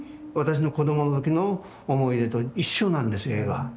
私の子どもの時の思い出と一緒なんです絵が。